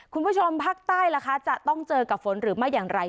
คุณผู้ชมภาคใต้ล่ะคะจะต้องเจอกับฝนหรือไม่อย่างไร